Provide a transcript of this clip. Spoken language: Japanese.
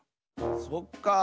そっかあ。